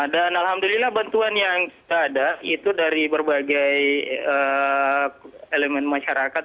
dan alhamdulillah bantuan yang sudah ada itu dari berbagai elemen masyarakat